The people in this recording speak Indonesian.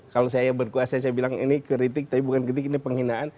kalau saya berkuasa saya bilang ini kritik tapi bukan kritik ini penghinaan